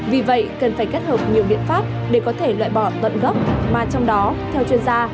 vì vậy cần phải kết hợp nhiều biện pháp để có thể loại bỏ tận gốc mà trong đó theo chuyên gia